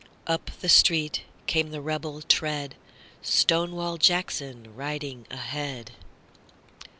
Up the street came the rebel tread, Stonewall Jackson riding ahead.